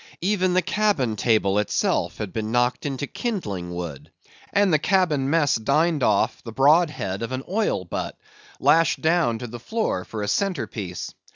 Even the cabin table itself had been knocked into kindling wood; and the cabin mess dined off the broad head of an oil butt, lashed down to the floor for a centrepiece.